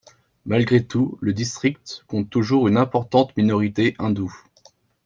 Malgré tout, le district compte toujours une importante minorité hindoue.